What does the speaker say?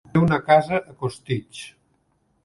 Té una casa a Costitx.